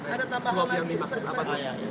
ada tambahan lagi